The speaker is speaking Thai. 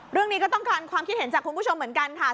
เรื่องนี้ก็ต้องการความคิดเห็นจากคุณผู้ชมเหมือนกันค่ะ